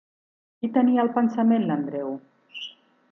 Qui tenia al pensament l'Andreu?